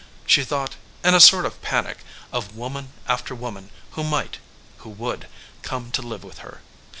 She thought, in a sort of panic, of woman after woman, who might, who would, come to live with her.